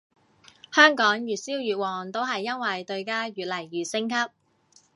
香港越燒越旺都係因為對家越嚟越升級